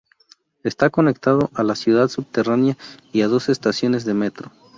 Está conectado a la ciudad subterránea y a dos estaciones de metro.